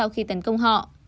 khi tấn công họ